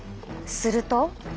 すると。